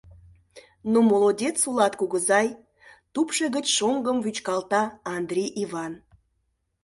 — Ну молодец улат, кугызай! — тупшо гыч шоҥгым вӱчкалта Андри Иван.